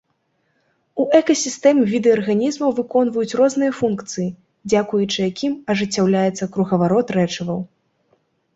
У экасістэме віды арганізмаў выконваюць розныя функцыі, дзякуючы якім ажыццяўляецца кругаварот рэчываў.